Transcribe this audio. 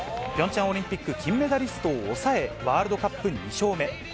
ピョンチャンオリンピック金メダリストを抑え、ワールドカップ２勝目。